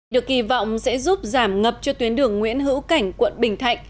được kỳ vọng sẽ giúp giảm ngập cho tuyến đường nguyễn hữu cảnh quận bình thạnh